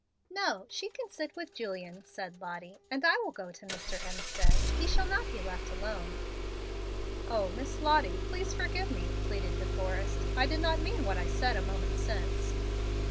"No, she can sit with Julian," said Lottie, "and I will go to Mr. Hemstead. He shall not be left alone." "O Miss Lottie! please forgive me," pleaded De Forrest; "I did not mean what I said a moment since."